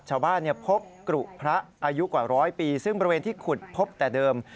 ชาวบ้านพบกรุพระอายุกว่าร้อยปีซึ่งบริเวณที่ขุดพบแต่เดิม